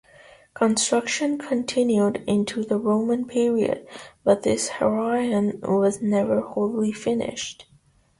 Construction continued into the Roman period, but this Heraion was never wholly finished.